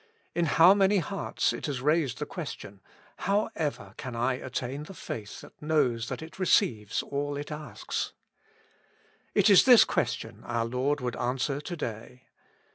In how many hearts it has raised the question, How ever can I attain the faith that knows that it receives all it asks ? It is this question our Lord would answer to day.